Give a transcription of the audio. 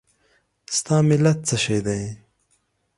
ستا ملت څه شی دی؟